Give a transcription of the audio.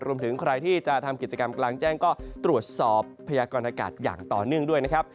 รวมถึงใครที่จะทำกิจกรรมกลางแจ้งก็ตรวจสอบพยากรณากาศอย่างต่อเนื่องด้วยนะครับ